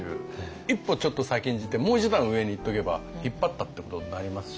一歩ちょっと先んじてもう一段上にいっておけば引っ張ったってことになりますしね。